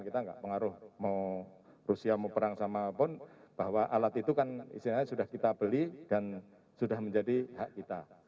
kita nggak pengaruh mau rusia mau perang sama pun bahwa alat itu kan istilahnya sudah kita beli dan sudah menjadi hak kita